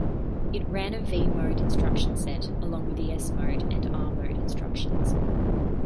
It ran a V-mode instruction set, along with the S-mode and R-mode instructions.